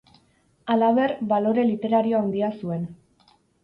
Halaber, balore literario handia zuen.